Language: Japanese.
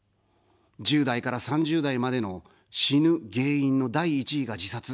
１０代から３０代までの、死ぬ原因の第１位が自殺。